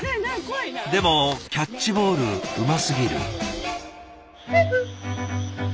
でもキャッチボールうますぎる。